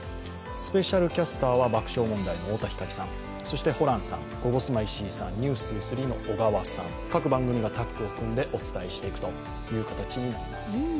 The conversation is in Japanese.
スペシャルキャスターは爆笑問題の太田光さん、そしてホランさん、「ゴゴスマ」の石井さん、「ｎｅｗｓ２３」の小川さん、各番組がタッグを組んでお伝えしていくという形になります。